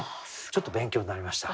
ちょっと勉強になりました。